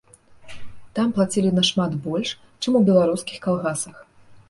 Там плацілі нашмат больш, чым у беларускіх калгасах.